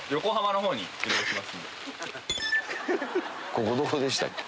ここどこでしたっけ？